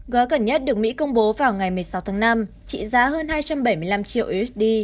gói gần nhất được mỹ công bố vào ngày một mươi sáu tháng năm trị giá hơn hai trăm bảy mươi năm triệu usd